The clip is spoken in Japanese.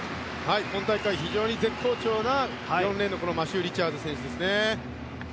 今大会、非常に絶好調な４レーンのマシュー・リチャーズ選手。